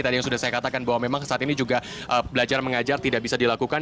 tadi yang sudah saya katakan bahwa memang saat ini juga belajar mengajar tidak bisa dilakukan